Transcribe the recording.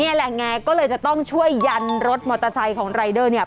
นี่แหละไงก็เลยจะต้องช่วยยันรถมอเตอร์ไซค์ของรายเดอร์เนี่ย